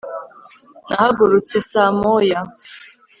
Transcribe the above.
nahagurutse saa moya